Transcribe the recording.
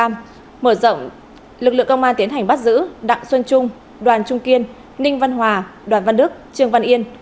mở rộng lực lượng công an tiến hành bắt giữ đặng xuân trung đoàn trung kiên ninh văn hòa đoàn văn đức trương văn yên